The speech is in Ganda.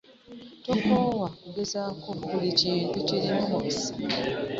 Tokoowa kugezaako, buli kintu kirimu omukisa.